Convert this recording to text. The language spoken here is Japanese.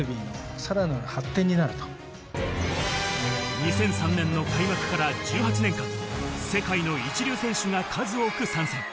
２００３年の開幕から１８年間、世界の一流選手が数多く参戦。